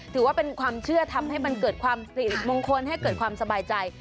ถือว่าเป็นความเชื่อทำให้มันเกิดความสิริมงคลให้เกิดความสบายใจ